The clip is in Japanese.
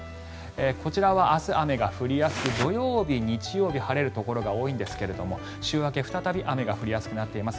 こちらは明日、雨が降りやすく土曜日、日曜日は晴れるところが多いんですが週明け、再び雨が降りやすくなっています。